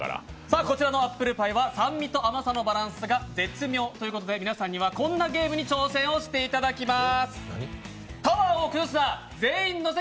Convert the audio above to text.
こちらのアップルパイは酸味と甘さが絶妙ということで皆さんにはこんなゲームに挑戦をしていただきます！